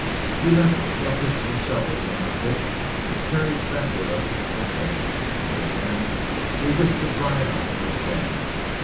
We left our picks and shovels in our pit; but carried back with us our pans, for in them we wished to dry out our sand.